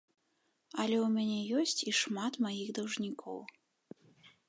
Але ў мяне ёсць і шмат маіх даўжнікоў.